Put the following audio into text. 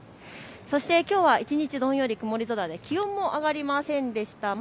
そして一日、きょうはどんより曇り空で気温が上がりませんでした。